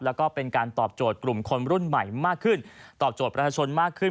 แล้วก็เป็นการตอบโจทย์กลุ่มคนรุ่นใหม่มากขึ้นตอบโจทย์ประชาชนมากขึ้น